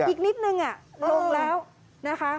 อีกนิดนึงลงแล้วนะคะ